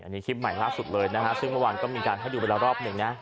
อันนี้คลิปใหม่ล่าสุดเลยนะฮะซึ่งเมื่อวานก็มีการให้ดูไปแล้วรอบหนึ่งนะ